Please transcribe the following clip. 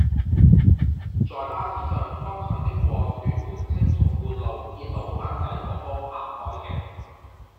在巴士上剛才經過屯門青松觀路見到發仔哥哥拍外景